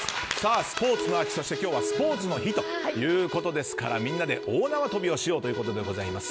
スポーツの秋、今日はスポーツの日ということですからみんなで大縄跳びをしようということでございます。